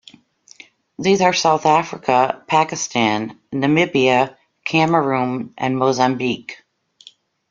These are South Africa, Pakistan, Namibia, Cameroon and Mozambique.